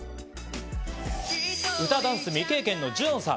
歌、ダンス未経験のジュノンさん。